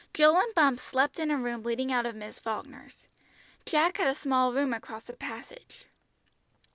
Jill and Bumps slept in a room leading out of Miss Falkner's, Jack had a small room across the passage.